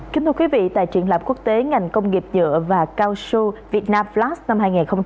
kính thưa quý vị tại truyện lạp quốc tế ngành công nghiệp nhựa và cao su vietnam flash năm hai nghìn một mươi chín